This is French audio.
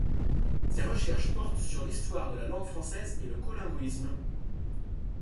Ses recherches portent sur l'histoire de la langue française et le colinguisme.